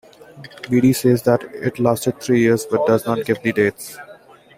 Bede says that it lasted three years, but does not give the dates.